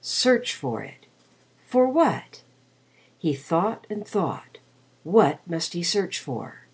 Search for it. For what? He thought and thought. What must he search for?